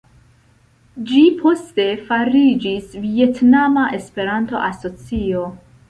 Ĝi poste fariĝis Vjetnama Esperanto-Asocio.